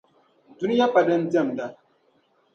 Duniya pa din diɛmda